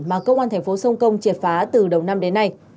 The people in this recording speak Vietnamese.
mà cơ quan thành phố sông công triệt phá từ đầu năm đến nay